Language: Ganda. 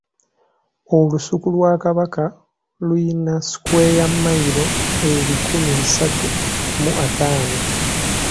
Olusuku lwa Kabaka lulina sikweya mmayiro ebikumi bisatu mu ataano.